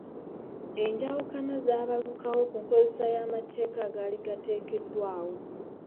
Enjawukana zaabalukawo ku nkozesa y’amateeka agaali gateekeddwawo.